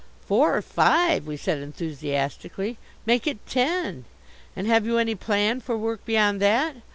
"Four or five!" we said enthusiastically. "Make it ten! And have you any plan for work beyond that?"